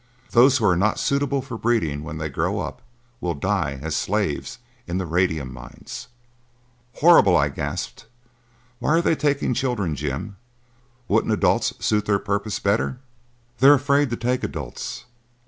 Those who are not suitable for breeding when they grow up will die as slaves in the radium mines." "Horrible!" I gasped. "Why are they taking children, Jim? Wouldn't adults suit their purpose better?" "They are afraid to take adults.